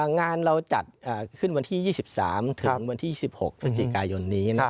งานเราจัดขึ้นวันที่๒๓ถึง๒๖ศักดิ์สี่กายนแล้ว